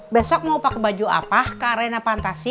besok mau pake baju apa ke arena pantasi